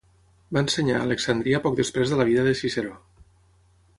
Va ensenyar a Alexandria poc després de la vida de Ciceró.